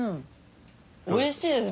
おいしいです。